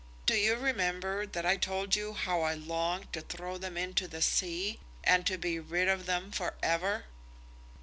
Don't you remember that I told you how I longed to throw them into the sea, and to be rid of them for ever?"